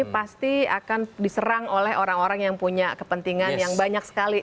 pasti akan diserang oleh orang orang yang punya kepentingan yang banyak sekali